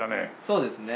そうですね。